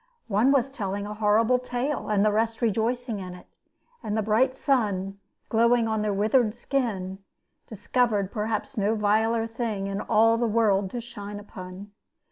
One was telling a horrible tale, and the rest rejoicing in it; and the bright sun, glowing on their withered skin, discovered perhaps no viler thing in all the world to shine upon.